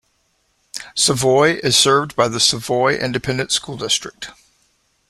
Savoy is served by the Savoy Independent School District.